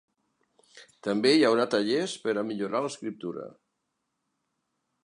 També hi haurà tallers per a millorar l’escriptura.